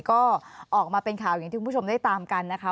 ก็ออกมาเป็นข่าวอย่างที่คุณผู้ชมได้ตามกันนะคะ